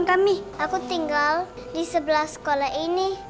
kami aku tinggal di sebelah sekolah ini